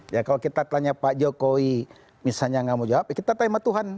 ya kalau kita tanya pak jokowi misalnya tidak mau jawab kita tanya sama tuhan